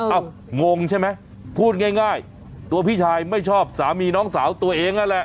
งงใช่ไหมพูดง่ายตัวพี่ชายไม่ชอบสามีน้องสาวตัวเองนั่นแหละ